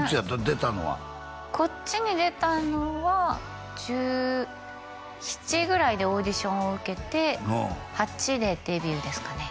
出たのはこっちに出たのは１７ぐらいでオーディションを受けて１８でデビューですかね